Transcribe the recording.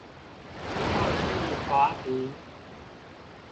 鶴唳華亭